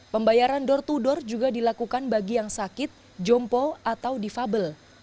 pembayaran door to door juga dilakukan bagi yang sakit jompo atau difabel